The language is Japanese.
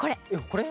これ？